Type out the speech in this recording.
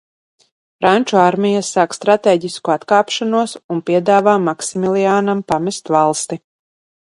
Franču armija sāk stratēģisku atkāpšanos un piedāvā Maksimiliānam pamest valsti.